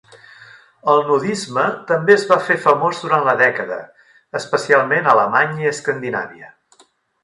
El nudisme també es va fer famós durant la dècada, especialment a Alemanya i Escandinàvia.